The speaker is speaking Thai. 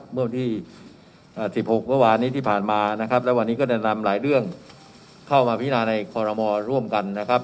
เมื่อวันที่๑๖เมื่อวานนี้ที่ผ่านมานะครับและวันนี้ก็ได้นำหลายเรื่องเข้ามาพินาในคอรมอร่วมกันนะครับ